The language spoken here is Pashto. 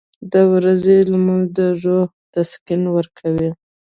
• د ورځې لمونځ د روح تسکین ورکوي.